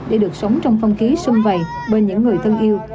để được sống trong phong ký xung vầy bên những người thân yêu